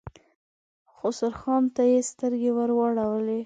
خسرو خان ته يې سترګې ور واړولې.